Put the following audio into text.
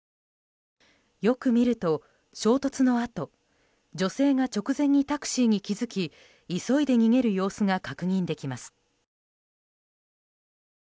よく見ると、衝突のあと女性が直前にタクシーに気づき急いで逃げる様子が確認できます。